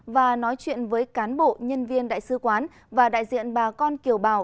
và đại diện với cán bộ nhân viên đại sứ quán và đại diện bà con kiều bảo